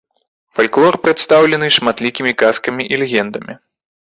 Фальклор прадстаўлены шматлікімі казкамі і легендамі.